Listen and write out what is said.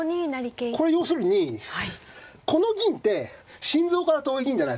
これ要するにこの銀って心臓から遠いじゃないですか。